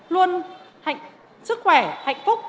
luôn sức khỏe hạnh phúc